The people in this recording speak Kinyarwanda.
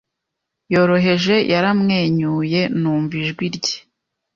Yoroheje Yaramwenyuye Numva ijwi rye